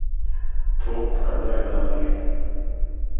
Tom di qezayê de mir.